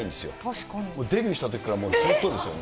もうデビューしたときからずっとですよね。